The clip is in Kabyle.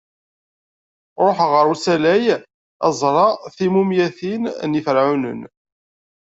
Ruḥeɣ ɣer usalay ad d-ẓreɣ timumyatin n Yiferɛunen.